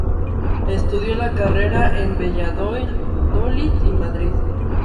Estudió la carrera en Valladolid y Madrid.